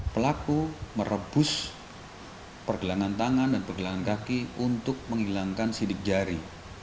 pelaku merebus pergelangan tangan dan pergelangan kaki untuk menghilangkan sidik jari